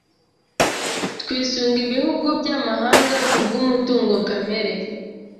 Twisunga ibihugu byamahanga kubwumutungo kamere.